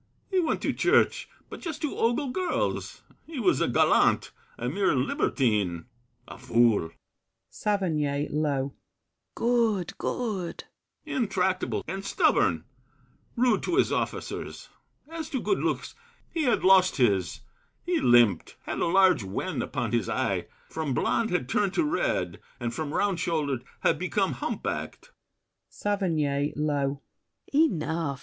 He went to church, but just to ogle girls. He was a gallant, a mere libertine, A fool! SAVERNY (low). Good! good! BRICHANTEAU. Intractable and stubborn; Rude to his officers. As to good looks, He had lost his; he limped, had a large wen Upon his eye; from blonde had turned to red, And from round shouldered had become hump backed.